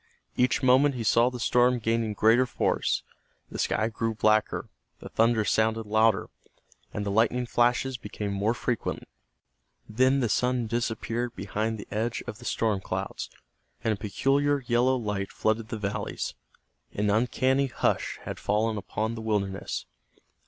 Each moment he saw the storm gaining greater force. The sky grew blacker, the thunder sounded louder, and the lightning flashes became more frequent. Then the sun disappeared behind the edge of the storm clouds, and a peculiar yellow light flooded the valleys. An uncanny hush had fallen upon the wilderness.